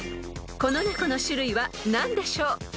［この猫の種類は何でしょう？］